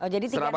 jadi tiga nama